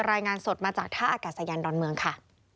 รายงานสดมาจากท่าอากาศยานดอนเมืองค่ะ